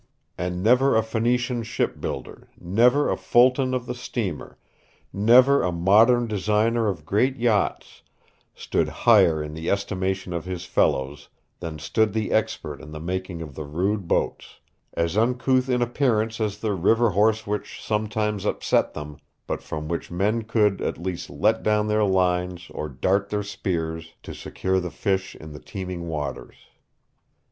And never a Phoenician ship builder, never a Fulton of the steamer, never a modern designer of great yachts, stood higher in the estimation of his fellows than stood the expert in the making of the rude boats, as uncouth in appearance as the river horse which sometimes upset them, but from which men could, at least, let down their lines or dart their spears to secure the fish in the teeming waters.